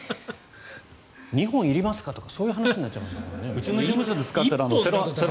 ２本いりますか？とかそういう話になっちゃいますよね。